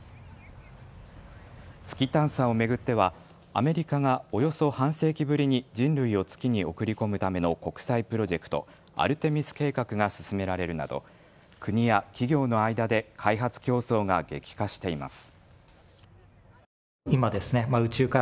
月探査を巡ってはアメリカがおよそ半世紀ぶりに人類を月に送り込むための国際プロジェクト、アルテミス計画が進められるなど国や企業の間で開発競争が激化しています。